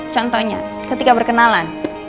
contohnya ketika berkenalan